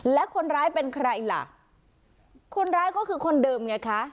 และคนร้ายเป็นใครล่ะคนร้ายก็คือคนเดิมไงคะ